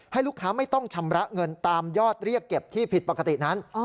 ลูกค้าไม่ต้องชำระเงินตามยอดเรียกเก็บที่ผิดปกตินั้น